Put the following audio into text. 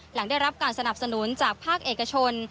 หลังได้รับการสนับสนุนจากภาคเอกชน